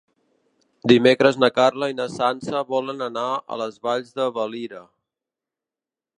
Dimecres na Carla i na Sança volen anar a les Valls de Valira.